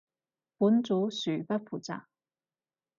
本組恕不負責